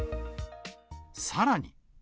さらに。